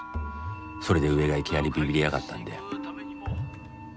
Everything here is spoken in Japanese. それで上がいきなりびびりやがったんだよ。